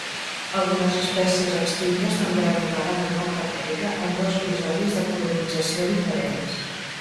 Algunes espècies extintes també arribaren a Nord-amèrica en dos episodis de colonització diferents.